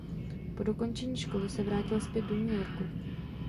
Po dokončení školy se vrátil zpět do New Yorku.